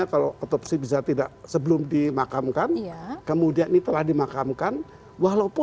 terutamanya untuk guru hukum kendalian segalanya mereka harus mengikan keuntungan akibatnya dise qualche fatto